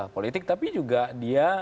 politik tapi juga dia